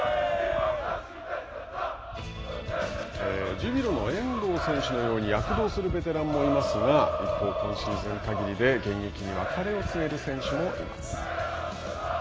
ジュビロの遠藤選手のように躍動するベテランもいますが一方、今シーズンかぎりで現役に別れを告げる選手もいます。